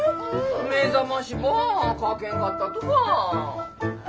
目覚ましばかけんかったとか。